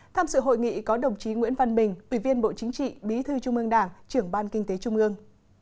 tham sự hội nghị có đồng chí nguyễn văn bình ủy viên bộ chính trị bí thư trung ương đảng trưởng ban kinh tế trung ương